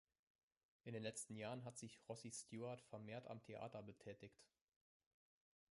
In den letzten Jahren hat sich Rossi Stuart vermehrt am Theater betätigt.